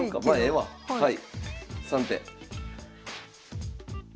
はい。